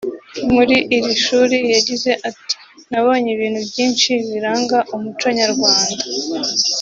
muri iri shuri yagize ati ” Nabonye ibintu byinshi biranga umuco nyarwanda